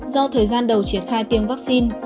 do thời gian đầu triển khai tiêm vaccine